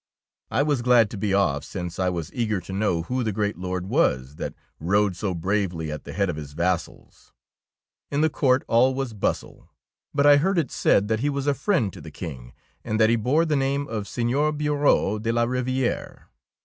'' I was glad to be off, since I was eager to know who the great lord was that rode so bravely at the head of his vassals. In the court all was bustle, but I heard it said that he was a friend to the King, and that he bore 24 THE ROBE OF THE DUCHESS the name of Seigneur Bureau de la Riviere.